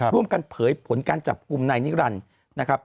ร่วมกันเผยผลการจับกลุ่มในนิรันดร์นะครับ